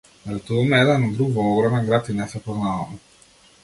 Налетуваме еден на друг во огромен град и не се познаваме.